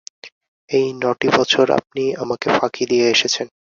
এই নটি বছর আপনি আমাকে ফাঁকি দিয়ে এসেছেন।